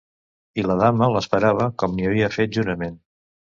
I la dama l'esperava, com n'hi havia fet jurament.